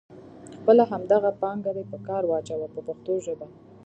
خپله همدغه پانګه دې په کار واچوه په پښتو ژبه.